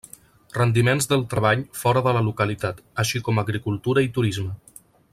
Rendiments del treball fora de la localitat, així com agricultura i turisme.